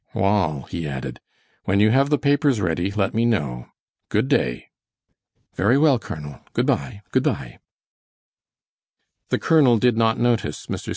Wall," he added, "when you have the papers ready, let me know. Good day!" "Very good, Colonel, good by, good by!" The colonel did not notice Mr. St.